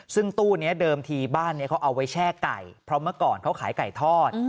ซึ่งตู้นี้เดิมทีบ้านนี้เขาเอาไว้แช่ไก่เพราะเมื่อก่อนเขาขายไก่ทอด